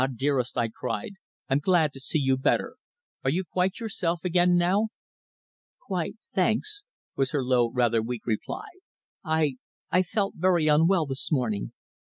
dearest," I cried. "I'm glad to see you better. Are you quite yourself again now?" "Quite, thanks," was her low, rather weak reply. "I I felt very unwell this morning.